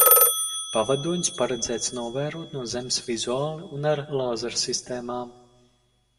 Pavadoņus paredzēts novērot no zemes vizuāli un ar lāzersistēmām.